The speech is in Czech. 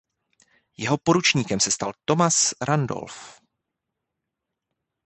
Jeho poručníkem se stal Thomas Randolph.